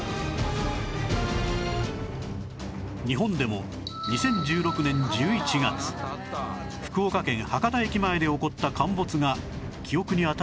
日本でも２０１６年１１月福岡県博多駅前で起こった陥没が記憶に新しいところですが